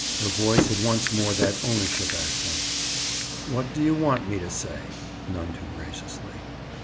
Her voice had once more that ownership accent. "What do you want me to say?" None too graciously.